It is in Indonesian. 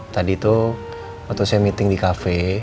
tadi tuh waktu saya meeting di cafe